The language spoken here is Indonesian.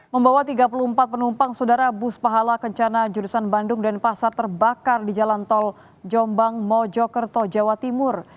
membawa tiga puluh empat penumpang saudara bus pahala kencana jurusan bandung dan pasar terbakar di jalan tol jombang mojokerto jawa timur